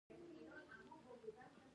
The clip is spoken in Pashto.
تاریخ د افغانستان په هره برخه کې موندل کېږي.